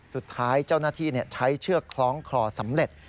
สุดท้ายเจ้าหน้าที่ใช้เชือกคล้องคลอสำเร็จ